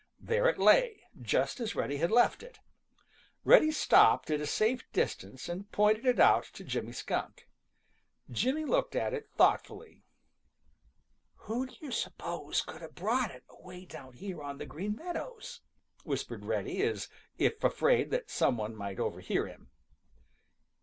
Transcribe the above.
There it lay just as Reddy had left it. Reddy stopped at a safe distance and pointed it out to Jimmy Skunk. Jimmy looked at it thoughtfully. "Who do you suppose could have brought it away down here on the Green Meadows?" whispered Reddy, as if afraid that some one might overhear him.